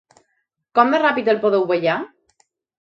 Com de ràpid el podeu ballar?